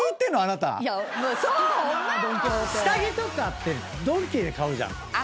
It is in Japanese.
下着とかドンキで買うじゃん。